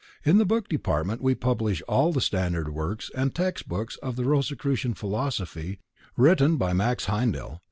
In the book department we publish all the standard works and text books of the Rosicrucian Philosophy written by Max Heindel.